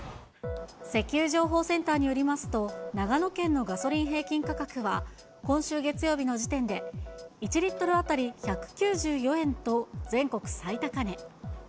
石油情報センターによりますと、長野県のガソリン平均価格は、今週月曜日の時点で、１リットル当たり１９４円と全国最高値。